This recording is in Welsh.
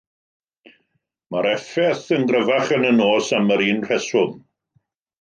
Mae'r effaith yn gryfach yn y nos am yr un rheswm.